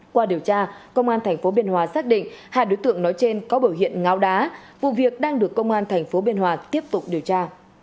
qua điều tra công an tp biên hòa xác định hai đối tượng nói trên có biểu hiện ngáo đá vụ việc đang được công an tp biên hòa tiếp tục điều tra